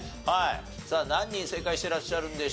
さあ何人正解してらっしゃるんでしょうか。